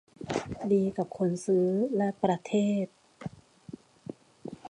ดีกับทั้งคนซื้อและประเทศ